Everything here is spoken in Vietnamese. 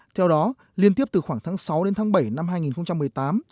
theo đó liên tiếp từ khoảng tháng sáu đến tháng bảy năm hai nghìn một mươi tám